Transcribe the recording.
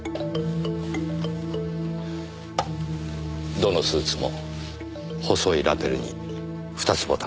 どのスーツも細いラベルに２つボタンです。